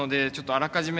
あらかじめ